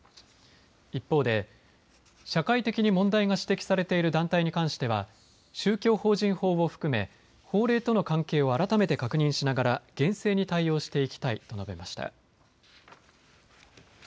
一方で社会的に問題が指摘されている団体に関しては宗教法人法を含め法令との関係を改めて確認しながら厳正に対応していきたいと述べました。